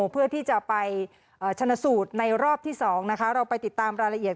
เพื่อที่จะไปชนสูตรในรอบที่๒นะคะเราไปติดตามรายละเอียด